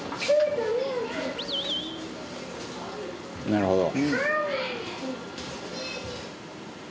「なるほど」